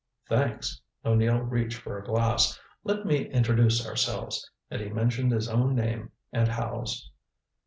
"Thanks." O'Neill reached for a glass. "Let me introduce ourselves." And he mentioned his own name and Howe's.